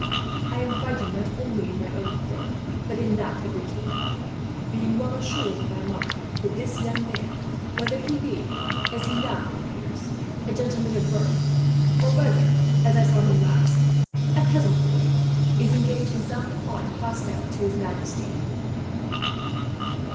"I am fighting not only in my own quarrel, but in that of the king; being well assured in my mind that this young man, whether he be, as he now appears, a gentleman of birth, or whether, as I saw him last, a peasant boy, is engaged in some plot hostile to his majesty."